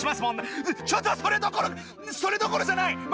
もんちょっとそれどころそれどころじゃない！